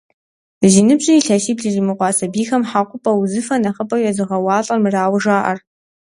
Зи ныбжьыр илъэсибл иримыкъуа сабийхэм хьэкъупӏэ узыфэр нэхъыбэу езыгъэуалӏэр мырауэ жаӏэр.